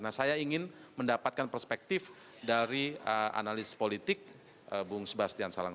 nah saya ingin mendapatkan perspektif dari analis politik bung sebastian salang